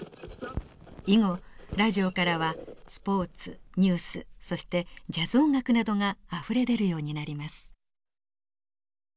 以後ラジオからはスポーツニュースそしてジャズ音楽などがあふれ出るようになります。